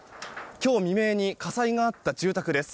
今日未明に火災があった住宅です。